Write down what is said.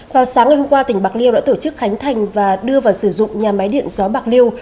vào sáng ngày hôm qua tỉnh bạc liêu đã tổ chức khánh thành và đưa vào sử dụng nhà máy điện gió bạc liêu